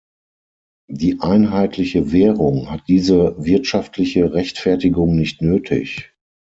Die einheitliche Währung hat diese wirtschaftliche Rechtfertigung nicht nötig.